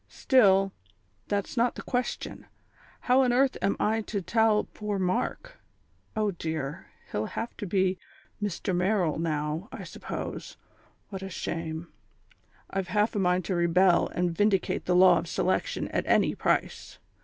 Still, that's not the question. How on earth am I to tell poor Mark? Oh dear! he'll have to be 'Mr Merrill' now, I suppose. What a shame! I've half a mind to rebel, and vindicate the Law of Selection at any price.